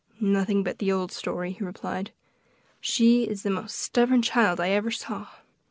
"Nothing but the old story," he replied; "she is the most stubborn child I ever saw.